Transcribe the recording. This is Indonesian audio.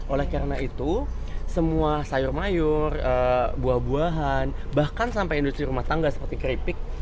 oleh karena itu semua sayur mayur buah buahan bahkan sampai industri rumah tangga seperti keripik